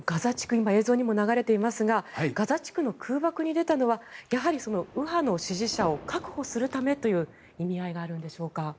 今、映像にも流れていますがガザ地区の空爆に出たのはやはり右派の支持者を確保するためという意味合いがあるんでしょうか？